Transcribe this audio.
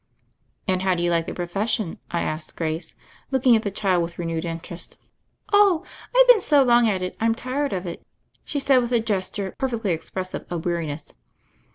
"And how do you like the profession?" I asked Grace, looking at the child with renewed interest. "Oh, I've been so long at it I'm tired of it," she said with a gesture perfectly expressive of weariness.